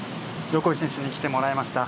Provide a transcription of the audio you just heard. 横井選手に来てもらいました。